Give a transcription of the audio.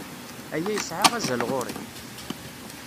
Aya yesɛa azal ɣer-i.